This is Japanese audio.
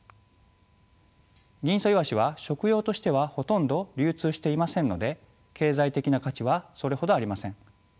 ギンイソイワシは食用としてはほとんど流通していませんので経済的な価値はそれほどありません。